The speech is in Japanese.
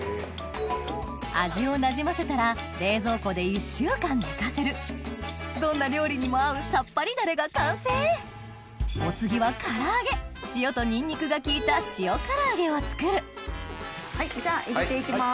味をなじませたらどんな料理にも合うさっぱりダレが完成お次は唐揚げ塩とニンニクが効いた塩唐揚げを作る入れて行きます。